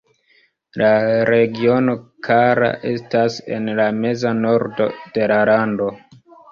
La regiono Kara estas en la meza nordo de la lando.